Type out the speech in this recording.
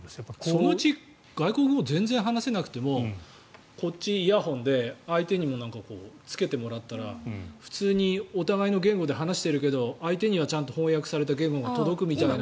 そのうち外国語全然話せなくてもこっちイヤホンで相手にもつけてもらったら普通にお互いの言語で話しているけど相手には翻訳された言語が届くみたいな。